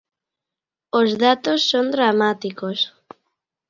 Os datos son dramáticos.